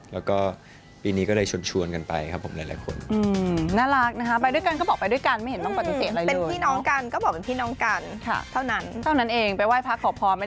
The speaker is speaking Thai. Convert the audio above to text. แล้วก็ปีนี้ก็เลยชวนกันไปครับผมหลายคน